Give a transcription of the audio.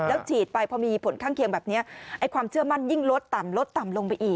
ฉีดไปพอมีผลข้างเคียงแบบนี้ไอ้ความเชื่อมั่นยิ่งลดต่ำลดต่ำลงไปอีก